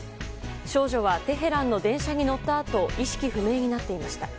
少女はテヘランの電車に乗ったあと意識不明になっていました。